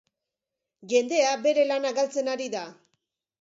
Jendea bere lana galtzen ari da.